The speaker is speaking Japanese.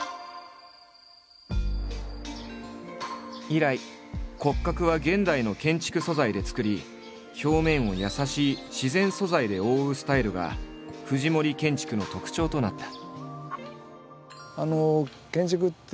以来骨格は現代の建築素材でつくり表面を優しい自然素材で覆うスタイルが藤森建築の特徴となった。